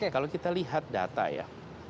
kalau kita lihat data ya